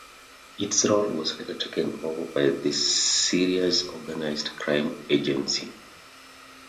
Its role was later taken over by the Serious Organised Crime Agency.